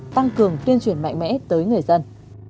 tăng cường tuyên truyền mạnh mẽ tới người dân